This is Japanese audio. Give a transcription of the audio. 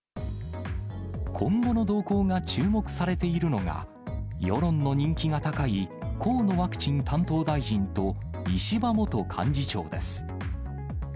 今後の動向が注目されているのが、世論の人気が高い河野ワクチン担当大臣と石破元幹事長です。